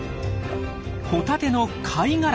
ホタテの貝殻。